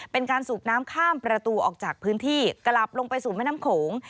เป็นการสูบน้ำข้ามประตูออกจากพื้นที่กลับลงไปสู่แม่น้ำโขง